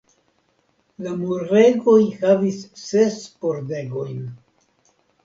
La muregoj havis ses pordegojn.